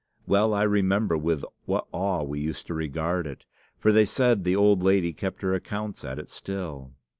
'Well I remember with what awe we used to regard it; for they said the old lady kept her accounts at it still.